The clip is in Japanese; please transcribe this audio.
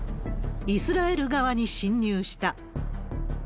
イスラエル側に侵入した。